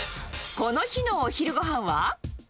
この日のお昼ごはんは？